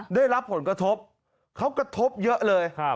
ได้รับผลกระทบเขากระทบเยอะเลย